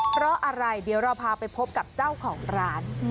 เพราะอะไรเดี๋ยวเราพาไปพบกับเจ้าของร้าน